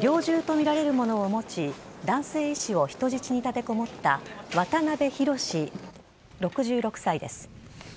猟銃とみられるものを持ち男性医師を人質に立てこもった渡辺宏６６歳です。